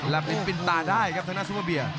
และเป็นปิดตาได้ครับทางด้านซูเปอร์เบีย